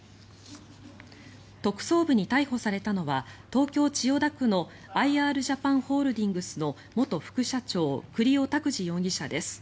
特捜部に逮捕されたのは東京・千代田区のアイ・アールジャパンホールディングスの元副社長栗尾拓滋容疑者です。